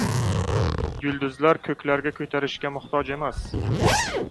— Yulduzlar ko‘klarga ko‘tarishga muhtoj emas.